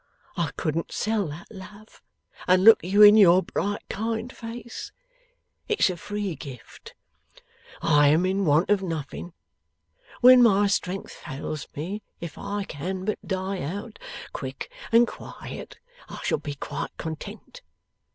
I couldn't sell that love, and look you in your bright kind face. It's a free gift. I am in want of nothing. When my strength fails me, if I can but die out quick and quiet, I shall be quite content.